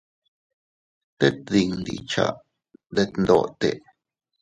Tet dindi cha detndote.